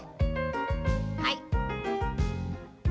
はい。